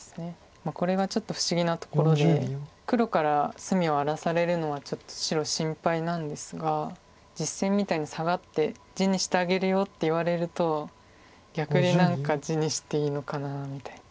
これがちょっと不思議なところで黒から隅を荒らされるのはちょっと白心配なんですが実戦みたいにサガって「地にしてあげるよ」って言われると逆に何か地にしていいのかなみたいな。